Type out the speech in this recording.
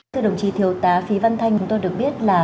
thưa đồng chí thiếu tá phí văn thanh chúng tôi được biết là